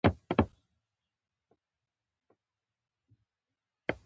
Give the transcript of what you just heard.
ډيپلومات د ښو اړیکو پلوی وي.